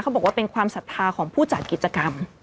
บอกว่าเป็นความศรัทธาของผู้จัดกิจกรรม